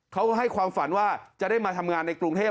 เขาให้ความฝันว่าจะได้มาทำงานในกรุงเทพ